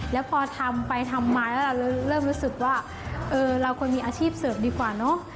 แล้วพอทำไปทำมาแล้วเราเริ่มรู้สึกว่าเออเราควรมีอาชีพเสริมดีกว่าเนอะ